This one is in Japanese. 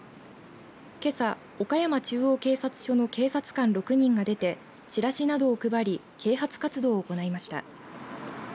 けさ、岡山中央警察署の警察官６人が出てチラシなどを配り啓発活動を行いました。